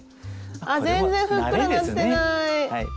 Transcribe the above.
あ全然ふっくらなってない！